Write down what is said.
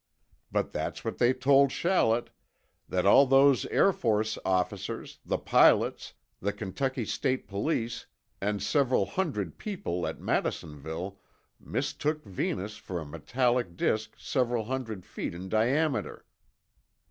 But that's what they told Shallett—that all those Air Force officers, the pilots, the Kentucky state police, and several hundred people at Madisonville mistook Venus for a metallic disk several hundred feet in diameter."